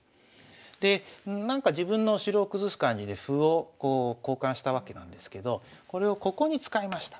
でなんか自分の城を崩す感じで歩を交換したわけなんですけどこれをここに使いました。